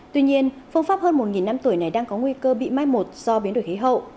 tuy nhiên phương pháp hơn một năm tuổi này đang có nguy cơ bị mai một do biến đổi khí hậu